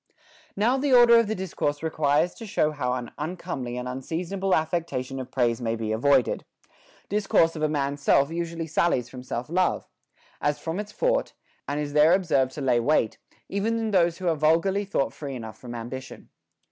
18. Xow the order of the discourse requires to show how an uncomely and unseasonable affectation of praise may be avoided. Discourse of a man's self usually sallies from self love, as from its fort, and is there observed to lay wait, even in those who are vulgarly thought free VOL. II. 21 322 HOW A MAN MAY PRAISE HIMSELF enough from ambition.